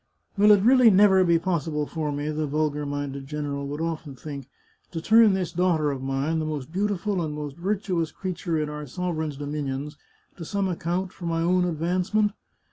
" Will it really never be possible for me," the vulgar minded general would often think, " to turn this daughter of mine, the most beautiful and the most virtuous creature in our sovereign's dominions, to some account for my own advancement?